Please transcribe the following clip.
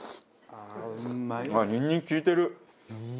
にんにく利いてる。